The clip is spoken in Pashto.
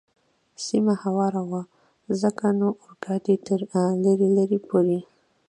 سیمه هواره وه، ځکه نو اورګاډی تر لرې لرې پورې.